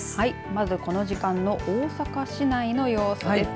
まずこの時間の大阪市内の様子です。